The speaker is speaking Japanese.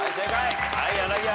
はい柳原。